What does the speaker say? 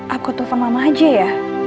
aku tuhan mama aja ya